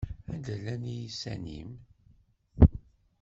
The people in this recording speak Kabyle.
Anda llan yiysan-im?